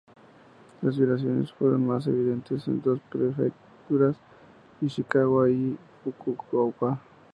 Las violaciones fueron más evidentes en dos prefecturas, Ishikawa y Fukuoka.